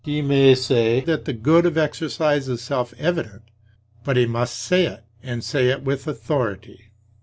He may say that the good of exercise is self evident; but he must say it, and say it with authority.